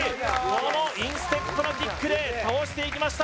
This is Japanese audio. このインステップのキックで倒していきました